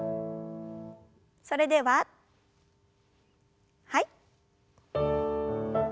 それでははい。